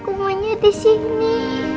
aku maunya disini